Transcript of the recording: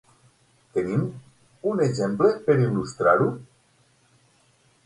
Tenim un exemple per il·lustrar-ho?